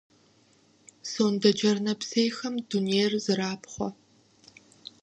Сондэджэр нэпсейхэм дунейр зэрапхъуэ.